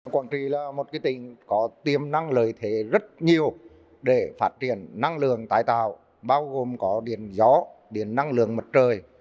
quảng trị là một tỉnh có tiềm năng lợi thế rất nhiều để phát triển năng lượng tái tạo bao gồm có điện gió điện năng lượng mặt trời